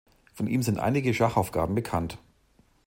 Von ihm sind einige Schachaufgaben bekannt.